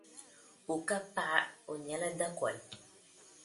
O ka paɣa, O nyɛla dakɔli.